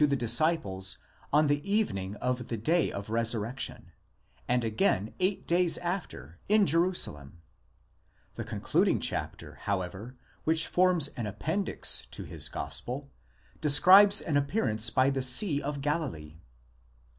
719 the disciples on the evening of the day of resurrection, and again eight days after, in Jerusalem ; the concluding chapter, however, which forms an appen dix to his gospel, describes an appearance by the Sea of Galilee.